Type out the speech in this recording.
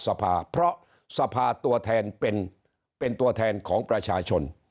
สภาเพราะสภาตัวแทนเป็นตัวแทนของประชาชน